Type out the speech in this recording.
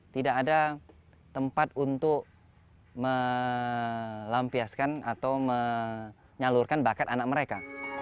tidak ada tempat untuk melampiaskan atau menyalurkan bakat anak mereka